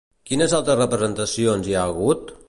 Quines altres representacions hi ha hagut?